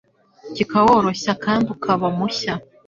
kikaworoshya kandi ukaba mushya? …